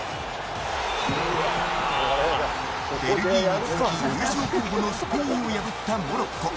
ベルギーに続き、優勝候補のスペインを破ったモロッコ。